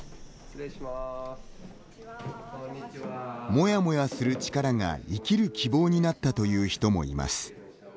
モヤモヤする力が生きる希望になったという人もいます。